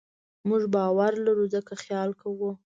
موږ باور لرو؛ ځکه خیال کوو.